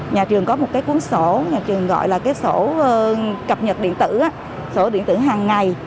nhà trường có một cái cuốn sổ nhà trường gọi là cái sổ cập nhật điện tử sổ điện tử hàng ngày